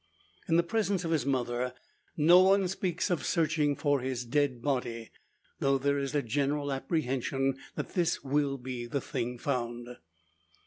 In the presence of his mother no one speaks of searching for his dead body; though there is a general apprehension, that this will be the thing found.